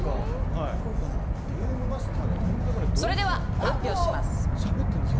ゲームマスターがとんでもないドＳなんだよ。